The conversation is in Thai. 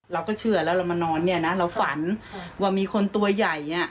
เราก็เชื่อแล้วเรามานอนเนี่ยนะเราฝันว่ามีคนตัวใหญ่